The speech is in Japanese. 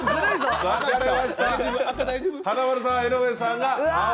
華丸さん、江上さんが青。